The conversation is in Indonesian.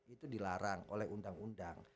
itu dilarang oleh undang undang